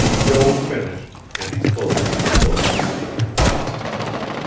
Joel finished, and he closed the Book.